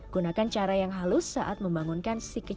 gunakan cara yang halus saatnya